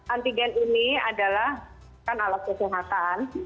antigen ini adalah alat kesehatan